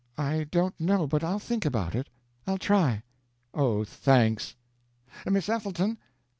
"I don't know but I'll think about it. I'll try." "Oh, thanks! Miss Ethelton!...